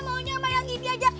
maunya sama yang ini aja